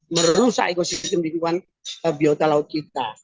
merusak ekosistem lingkungan biota laut kita